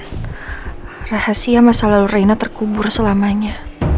dan rahasia masa lalu reina terkubur selamanya